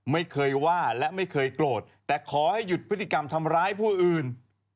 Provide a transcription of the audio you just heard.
ไม่เคยว่าและไม่เคยโกรธแต่ขอให้หยุดพฤติกรรมทำร้ายผู้อื่น